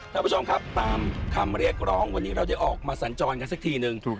ท่านผู้ชมครับตามคำเรียกร้องวันนี้เราได้ออกมาสัญจรกันสักทีนึง